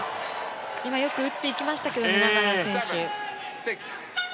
よく打っていきましたけど永原選手。